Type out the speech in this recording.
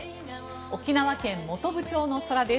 沖縄県本部町の空です。